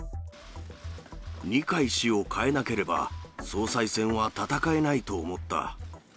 二階氏を代えなければ、総裁選は戦えないと思った。